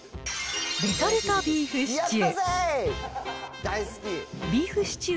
レトルトビーフシチュー。